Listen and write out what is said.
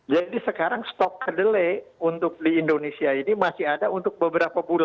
jadi sekarang stok kedelai untuk di indonesia ini masih ada untuk beberapa bulan